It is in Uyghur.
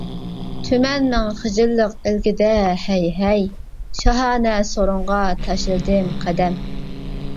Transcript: تۈمەنمىڭ خىجىللىق ئىلكىدە ھەي. ھەي. شاھانە سورۇنغا تاشلىدىم قەدەم.